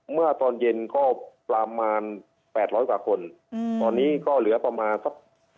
เมื่อตอนเย็นก็ประมาณแปดร้อยกว่าคนอืมตอนนี้ก็เหลือประมาณสัก